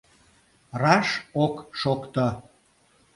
— Раш ок шокто!